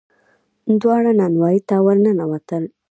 دواړه نانوايي ته ور ننوتل.